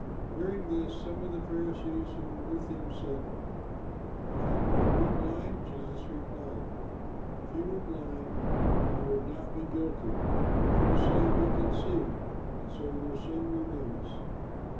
Hearing this, some of the Pharisees who were with him said, "And are we blind?" Jesus replied, "If you were blind you would not be guilty; but you say, 'We can see,' and so your sin remains."